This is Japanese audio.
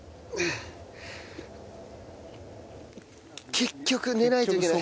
結局寝ないといけない。